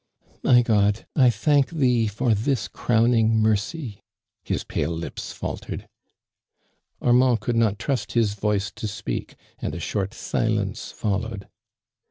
*' My God, I thank thee for this crown ing meicy !" his pale lips faltered. Armand coulcf not trust his voice to speak, and a short silence followed.